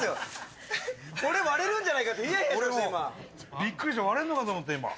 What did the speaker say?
びっくりした、割れるのかと思った、今。